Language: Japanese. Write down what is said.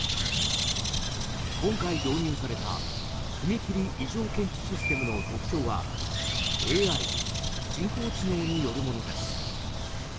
今回導入された踏切異常検知システムの特徴はＡＩ・人工知能によるものです。